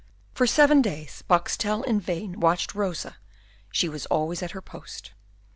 For seven days Boxtel in vain watched Rosa; she was always at her post.